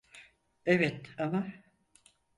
Evet ama...